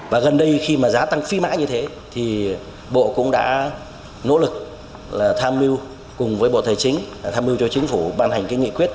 và gần đây khi mà giá tăng phi mãi như thế thì bộ cũng đã nỗ lực tham mưu cùng với bộ tài chính tham mưu cho chính phủ ban hành cái nghị quyết